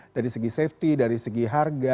dari segi safety dari segi harga